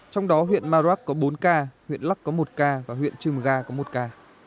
trong đó huyện maroc có bốn ca huyện lắc có một ca và huyện trưm ga có một ca